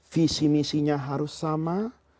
visi misinya harus sama